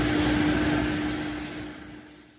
จากเมื่อเกิดขึ้นมันกลายเป้าหมาย